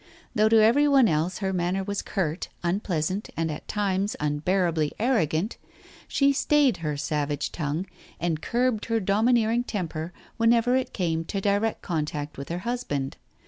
Though to every one else her manner was curt, unpleasant and at times unbearably arrogant, she stayed her savage tongue and curbed her domineering temper whenever it came in direct contact with her husband.